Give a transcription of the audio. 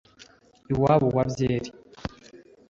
Iwabo wa byeri